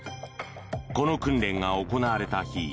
この訓練が行われた日